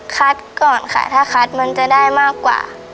ก่อนค่ะถ้าคัดมันจะได้มากกว่า